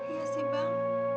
iya sih bang